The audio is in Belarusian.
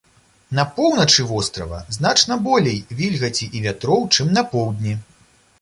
На поўначы вострава значна болей вільгаці і вятроў, чым на поўдні.